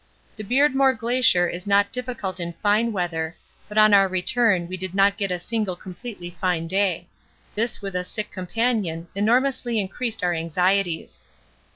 The Beardmore Glacier is not difficult in fine weather, but on our return we did not get a single completely fine day; this with a sick companion enormously increased our anxieties.